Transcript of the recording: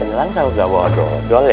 nelan tau gak bawa dodol ya